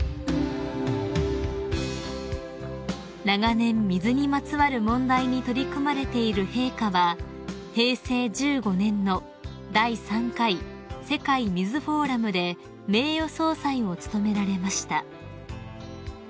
［長年水にまつわる問題に取り組まれている陛下は平成１５年の第３回世界水フォーラムで名誉総裁を務められました］